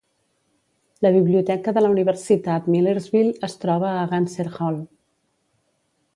La biblioteca de la Universitat Millersville es troba al Ganser Hall.